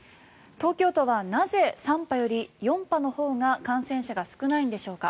東京都は、なぜ３波より４波のほうが感染者が少ないんでしょうか。